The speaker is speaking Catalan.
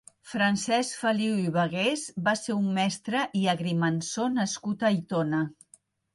Francesc Feliu i Vegués va ser un mestre i agrimensor nascut a Aitona.